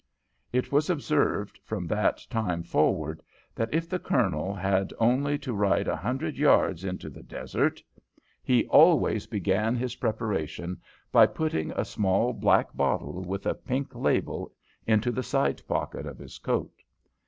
It was observed from that time forward that, if the Colonel had only to ride a hundred yards into the desert, he always began his preparations by putting a small black bottle with a pink label into the side pocket of his coat.